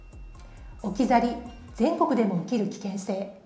置き去り、全国でも起きる危険性。